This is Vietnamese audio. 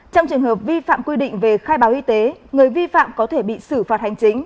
trong trường hợp vi phạm quy định về khai báo y tế người vi phạm có thể bị xử phạt hành chính